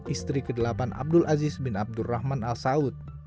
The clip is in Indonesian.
istri kedelapan abdul aziz bin abdul rahman al saud